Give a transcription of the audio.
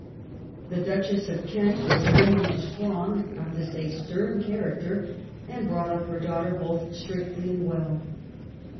The Duchess of Kent was a woman of strong not to say stern character and brought up her daughter both strictly and well.